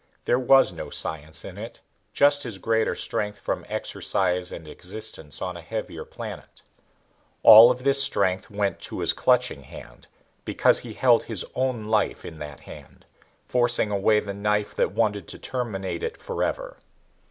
There was no science in it, just his greater strength from exercise and existence on a heavier planet. All of this strength went to his clutching hand, because he held his own life in that hand, forcing away the knife that wanted to terminate it forever.